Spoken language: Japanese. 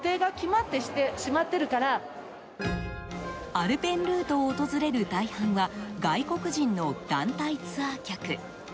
アルペンルートを訪れる大半は外国人の団体ツアー客。